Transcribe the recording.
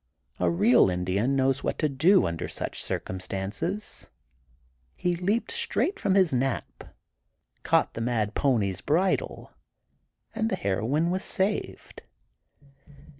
A real Indian knows what to do under such circumstances. He leaped straight from his nap, caught the mad pony's bridle, and the heroine was saved.